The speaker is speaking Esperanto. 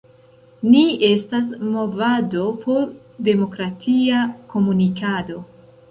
Ni estas movado por demokratia komunikado.